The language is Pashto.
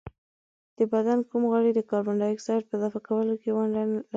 د بدن کوم غړی د کاربن ډای اکساید په دفع کولو کې ونډه لري؟